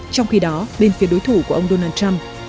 trong khi đó bên phía đối thủ của ông donald trump